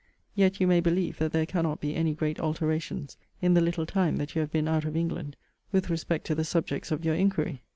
Yet you may believe that there cannot be any great alterations in the little time that you have been out of England, with respect to the subjects of your inquiry.